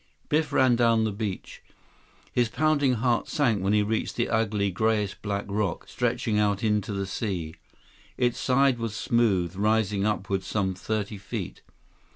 118 Biff ran down the beach. His pounding heart sank when he reached the ugly, grayish black rock, stretching out into the sea. Its side was smooth, rising upward some thirty feet.